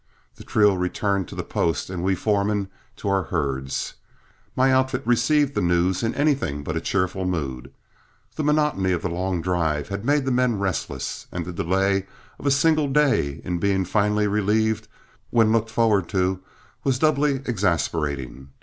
The trio returned to the post and we foremen to our herds. My outfit received the news in anything but a cheerful mood. The monotony of the long drive had made the men restless, and the delay of a single day in being finally relieved, when looked forward to, was doubly exasperating.